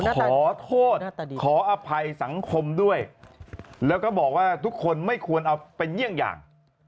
ขอโทษขออภัยสังคมด้วยแล้วก็บอกว่าทุกคนไม่ควรเอาเป็นเยี่ยงอย่าง